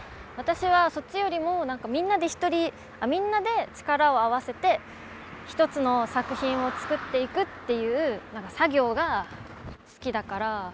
私はそっちよりも何かみんなでみんなで力を合わせて一つの作品を作っていくっていう作業が好きだから。